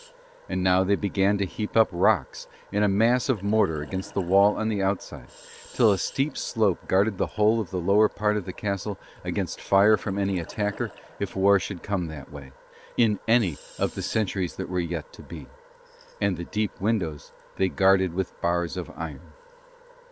And now they began to heap up rocks in a mass of mortar against the wall on the outside, till a steep slope guarded the whole of the lower part of the castle against fire from any attacker if war should come that way, in any of the centuries that were yet to be: and the deep windows they guarded with bars of iron.